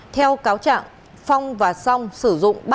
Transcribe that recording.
theo cáo trạng phong và song sử dụng ba khu dân